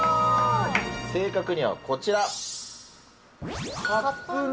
正確にはこちら。